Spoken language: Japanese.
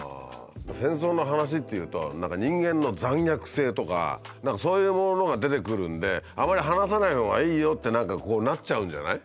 戦争の話っていうと何か人間の残虐性とか何かそういうもののほうが出てくるんであんまり話さないほうがいいよって何かこうなっちゃうんじゃない？